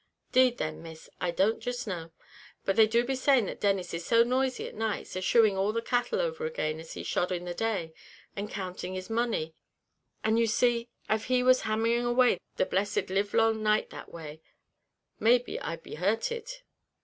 "'Deed then, Miss, I don't jist know, but they do be saying that Denis is so noisy at nights, a shoeing all the cattle over again as he shod in the day, and counting the money; and you see, av he was hammering away the blessed live long night that way, maybe I'd be hurted."